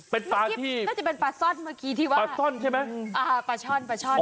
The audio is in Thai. เป็นปลาที่น่าจะเป็นปลาซ่อนเมื่อกี้ที่ว่าปลาซ่อนใช่ไหม